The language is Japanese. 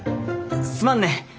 すまんね。